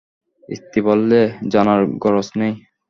স্ত্রী বললে, জানার গরজ নেই।